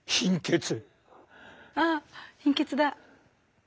あっ貧血だ。